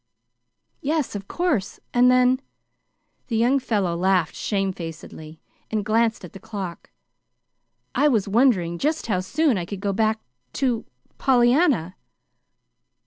"Yes, of course. And then " the young fellow laughed shamefacedly and glanced at the clock "I was wondering just how soon I could go back to Pollyanna."